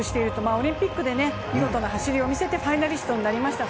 オリンピックで見事な走りを見せてファイナリストになりました。